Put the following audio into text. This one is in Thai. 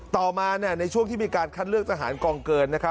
ต่อมาในช่วงที่มีการคัดเลือกทหารกองเกิน